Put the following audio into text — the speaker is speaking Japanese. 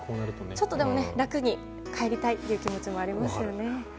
ちょっとでも楽に帰りたい気持ちがありますよね。